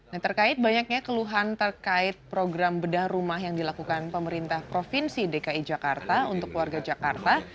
nah terkait banyaknya keluhan terkait program bedah rumah yang dilakukan pemerintah provinsi dki jakarta untuk warga jakarta